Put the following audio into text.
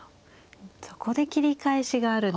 そこで切り返しがあるんですね。